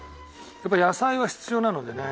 やっぱり野菜は必要なのでね。